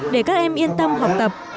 để các em yên tâm học tập